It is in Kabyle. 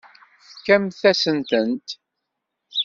Tfakemt-asen-tent.